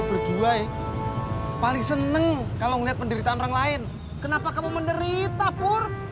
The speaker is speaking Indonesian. eh berdua paling seneng kalau ngeliat penderitaan orang lain kenapa kamu menderita pur